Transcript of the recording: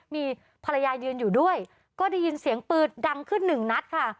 มีภรรยายืนอยู่ด้วยก็ได้ยินเสียงปืนดังขึ้นหนึ่งนัดค่ะ